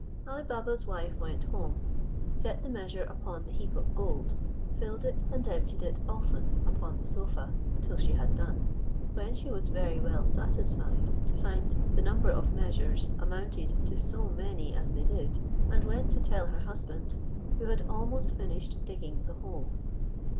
Ali Baba's wife went home, set the measure upon the heap of gold, filled it and emptied it often upon the sofa, till she had done: when she was very well satisfied to find the number of measures amounted to so many as they did, and went to tell her husband, who had almost finished digging the hole.